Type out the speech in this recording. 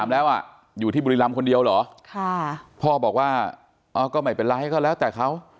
แล้วอยู่ที่บุรีรำคนเดียวเหรอพ่อบอกว่าก็ไม่เป็นไรก็แล้วแต่เขา